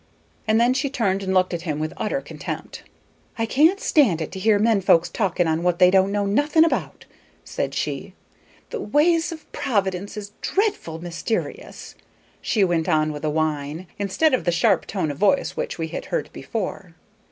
And then she turned and looked at him with utter contempt. "I can't stand it to hear men folks talking on what they don't know nothing about," said she. "The ways of Providence is dreadful myster'ous," she went on with a whine, instead of the sharp tone of voice which we had heard before.